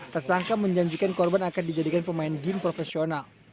tersangka menjanjikan korban akan dijadikan pemain game profesional